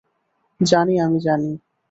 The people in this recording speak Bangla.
জানি, আমি জানি।